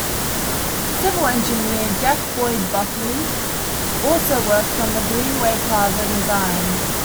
Civil engineer Jack Boyd Buckley also worked on the Greenway Plaza design.